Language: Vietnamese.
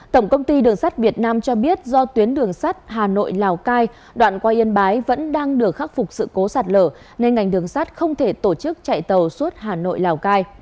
tổng công ty đường sắt việt nam cho biết do tuyến đường sắt hà nội lào cai đoạn qua yên bái vẫn đang được khắc phục sự cố sạt lở nên ngành đường sát không thể tổ chức chạy tàu suốt hà nội lào cai